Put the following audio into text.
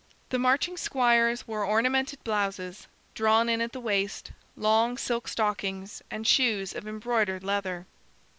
The marching squires wore ornamented blouses, drawn in at the waist, long silk stockings, and shoes of embroidered leather.